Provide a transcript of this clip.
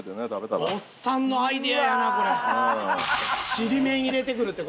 ちりめん入れてくるって